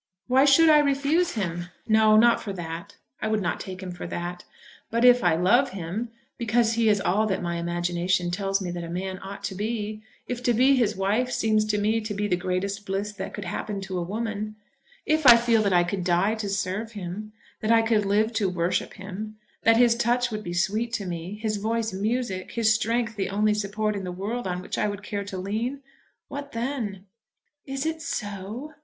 Why should I refuse him? No, not for that. I would not take him for that. But if I love him, because he is all that my imagination tells me that a man ought to be; if to be his wife seems to me to be the greatest bliss that could happen to a woman; if I feel that I could die to serve him, that I could live to worship him, that his touch would be sweet to me, his voice music, his strength the only support in the world on which I would care to lean, what then?" "Is it so?"